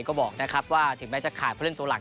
ก็บอกนะครับว่าถึงไม่จะขาดเพื่อนตัวหลัก